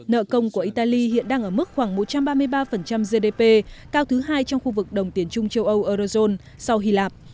nợ công của italy hiện đang ở mức khoảng một trăm ba mươi ba gdp cao thứ hai trong khu vực đồng tiền chung châu âu eurozone sau hy lạp